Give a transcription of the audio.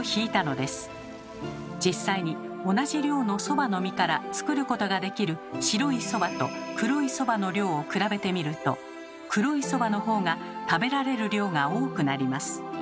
実際に同じ量のそばの実から作ることができる白いそばと黒いそばの量を比べてみると黒いそばの方が食べられる量が多くなります。